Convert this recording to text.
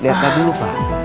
lihat tadi dulu pak